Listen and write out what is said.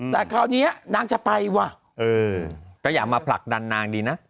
แต่คราวนี้นางจะไปว่ะก็อย่ามาผลักดันนางดีนะ